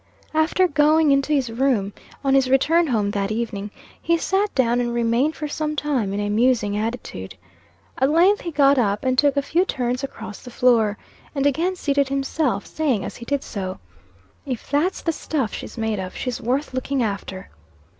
After going into his room, on his return home that evening, he sat down and remained for some time in a musing attitude. At length he got up, and took a few turns across the floor, and again seated himself, saying as he did so "If that's the stuff she's made of, she's worth looking after."